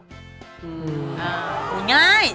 ง่าย